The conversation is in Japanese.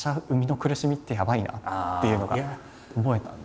っていうのが思えたんで。